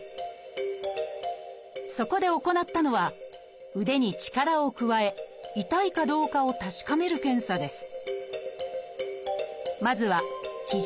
そこで行ったのは腕に力を加え痛いかどうかを確かめる検査です。